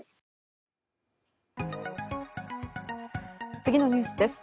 次のニュースです。